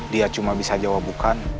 dia cuma bisa jawab bukan